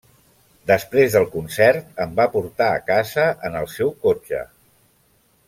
Després del concert em va portar a casa en el seu cotxe.